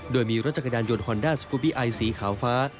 โดยมีรถจักรยานยนต์ฮอนด้าสกุบีไอสีขาวฟ้า